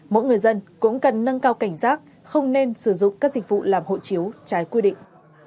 mỗi người dân cũng cần nâng cao cảnh giác không nên sử dụng các dịch vụ làm hộ chiếu trái quy định